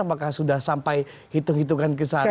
apakah sudah sampai hitung hitungan kesana